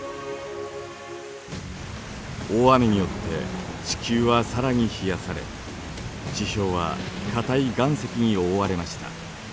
大雨によって地球は更に冷やされ地表は硬い岩石におおわれました。